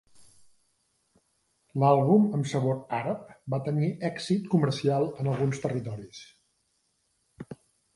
L'àlbum amb sabor àrab va tenir èxit comercial en alguns territoris.